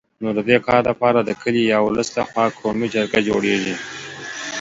نو د دي کار دپاره د کلي یا ولس له خوا قومي جرګه جوړېږي